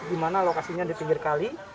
dimana lokasinya di pinggir kali